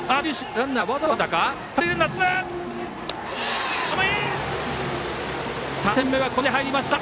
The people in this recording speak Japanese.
ランナー、止まりました。